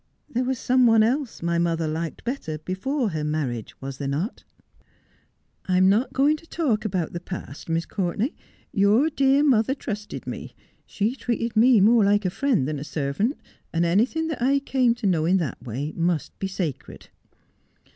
There was some one else my mother liked better before her marriage, was there not 1 '' I am not going to talk about the past, Miss Courtenay. Your dear mother trusted me ; she treated me more like a friend than a servant, and anything that I came to know in that way must be sacred.'